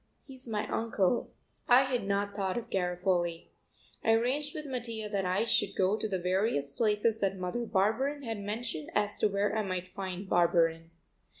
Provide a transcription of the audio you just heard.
He's my uncle." I had not thought of Garofoli. I arranged with Mattia that I should go to the various places that Mother Barberin had mentioned as to where I might find Barberin.